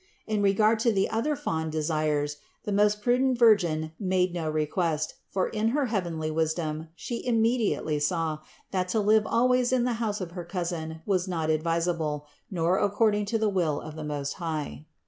In regard to the other fond desires, the most prudent Virgin made no request, for in her heavenly wis 218 CITY OF GOD dorn She immediately saw, that to live always in the house of her cousin was not advisable, nor according to the will of the Most High.